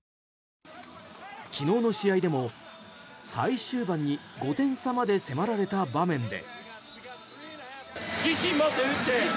昨日の試合でも、最終盤に５点差まで迫られた場面で。